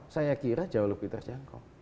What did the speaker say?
saya kira jauh lebih terjangkau